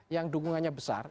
yang dukungannya besar